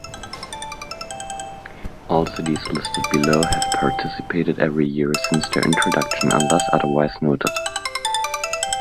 All cities listed below have participated every year since their introduction, unless otherwise noted.